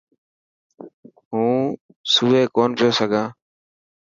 هون سوئي ڪونه پيو سگھان.